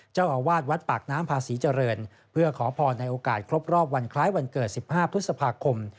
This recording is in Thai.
เจ้าอาวาสวัดปากน้ำพาศรีเจริญเพื่อขอพรในโอกาสครบรอบวันคล้ายวันเกิด๑๕พฤษภาคม